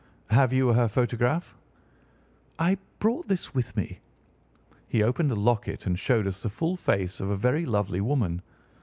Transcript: "Have you her photograph?" "I brought this with me." He opened a locket and showed us the full face of a very lovely woman.